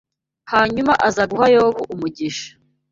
hanyuma aza guha Yobu umugisha